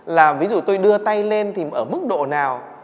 là ví dụ tôi đưa tay lên thì ở mức độ nào